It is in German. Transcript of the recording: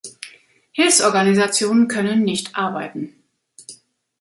Hilfsorganisationen können nicht arbeiten.